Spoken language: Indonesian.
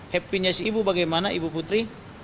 happiness ibu bagaimana ibu putri